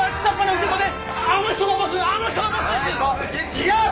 違う！